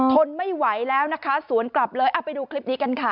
ทนไม่ไหวแล้วนะคะสวนกลับเลยเอาไปดูคลิปนี้กันค่ะ